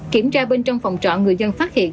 kiểm tra bên trong phòng trọ người dân phát hiện